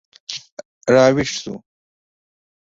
راویښ شو